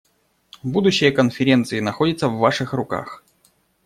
Будущее Конференции находится в ваших руках.